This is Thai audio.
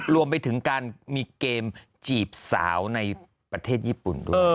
รวมไปถึงการมีเกมจีบสาวในประเทศญี่ปุ่นด้วย